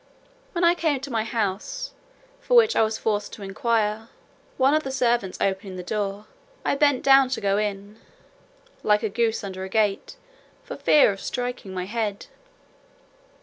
When I came to my own house, for which I was forced to inquire, one of the servants opening the door, I bent down to go in, (like a goose under a gate,) for fear of striking my head.